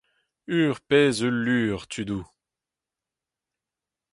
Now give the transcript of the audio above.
Ur pezh ul lur, tudoù !